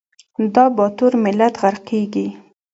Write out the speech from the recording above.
دا باتور ملت غرقیږي